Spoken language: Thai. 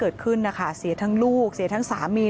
เกิดขึ้นสีเอนทางลูกสีเอนทางสามี